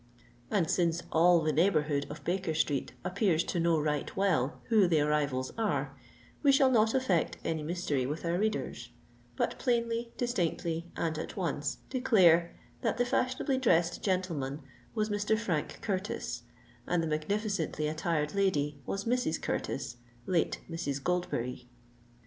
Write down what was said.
And since all the neighbourhood of Baker Street appears to know right well who the arrivals are, we shall not affect any mystery with our readers; but plainly, distinctly, and at once declare that the fashionably dressed gentleman was Mr. Frank Curtis, and the magnificently attired lady was Mrs. Curtis, late Mrs. Goldberry.